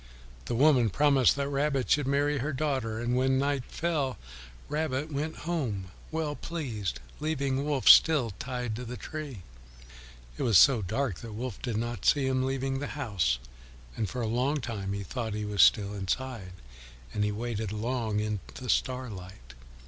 The woman promised that Rabbit should marry her daughter, and when night fell Rabbit went home well pleased, leaving Wolf still tied to the tree. It was so dark that Wolf did not see him leaving the house, and for a long time he thought he was still inside, and he waited long in the starlight.